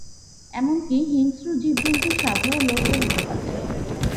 এমনকি হিংস্র জীব-জন্তুর সাথেও লড়তে হতো তাদের।